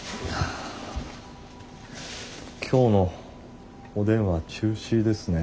今日のおでんは中止ですね。